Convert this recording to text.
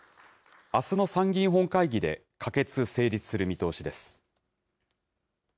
あすの参議院本会議で、可決・成立する見通しです。